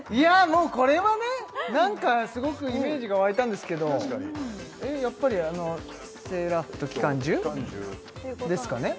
もうこれはねなんかすごくイメージが湧いたんですけどやっぱりあの「セーラー服と機関銃」ですかね？